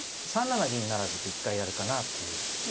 ３七銀不成と一回やるかなっていう。